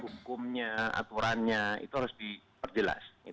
hukumnya aturannya itu harus diperjelas